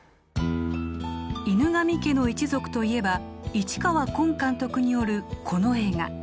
「犬神家の一族」といえば市川崑監督によるこの映画。